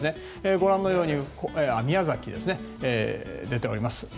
ご覧のように宮崎も出ています。